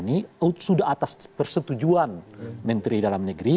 ini sudah atas persetujuan menteri dalam negeri